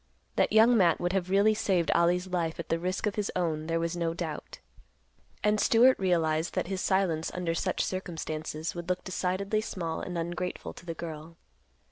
That Young Matt would have really saved Ollie's life at the risk of his own there was no doubt. And Stewart realized that his silence under such circumstances would look decidedly small and ungrateful to the girl.